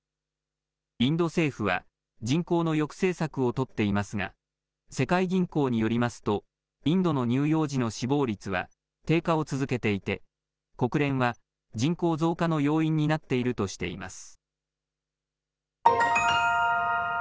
インド政府は人口の抑制策を取っていますが世界銀行によりますとインドの乳幼児の死亡率は低下を続けていて、国連は人口増加の要因になっているとしています。